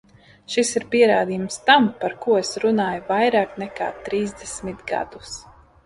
Šis ir pierādījums tam, par ko es runāju vairāk nekā trīsdesmit gadus.